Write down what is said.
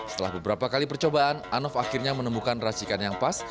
setelah beberapa kali percobaan anof akhirnya menemukan racikan yang pas